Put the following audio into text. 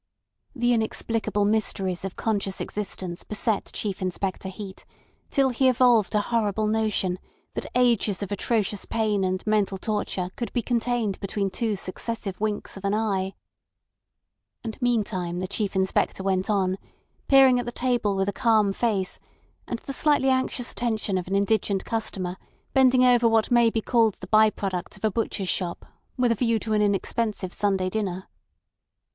The inexplicable mysteries of conscious existence beset Chief Inspector Heat till he evolved a horrible notion that ages of atrocious pain and mental torture could be contained between two successive winks of an eye. And meantime the Chief Inspector went on, peering at the table with a calm face and the slightly anxious attention of an indigent customer bending over what may be called the by products of a butcher's shop with a view to an inexpensive Sunday dinner.